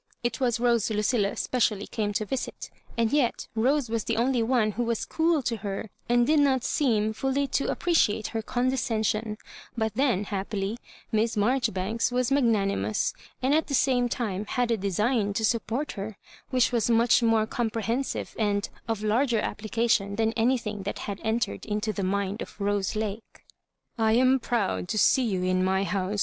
It was Rose Lucilla specially came to visit, and yet Rose was the only one who was cool to her, and did not seem fully to appreciate her condescension ; but then, hap pily, Miss Marjoribanks was magnanimous, and at the same time had a design to support her, which was much more comprehensive and of larger application than anything that had enter ed into the mind of Rose Lake. " I am proud to see you in my house.